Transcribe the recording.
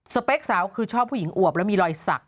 เป๊กสาวคือชอบผู้หญิงอวบและมีรอยสัก